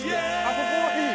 ここはいい・